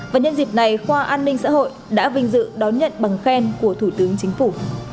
và nhân dịp này khoa an ninh xã hội đã vinh dự đón nhận bằng khen của thủ tướng chính phủ